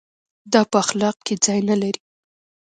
دا په اخلاق کې ځای نه لري.